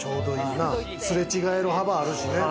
すれ違える幅あるしね。